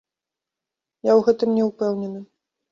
Я ў гэтым не ўпэўнены.